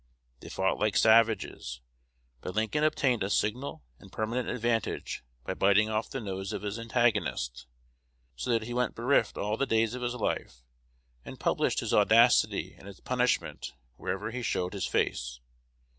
They fought like savages; but Lincoln obtained a signal and permanent advantage by biting off the nose of his antagonist, so that he went bereft all the days of his life, and published his audacity and its punishment wherever he showed his face.